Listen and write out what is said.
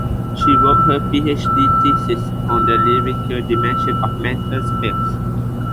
She wrote her PhD thesis on The Lyrical Dimension of Mental Space.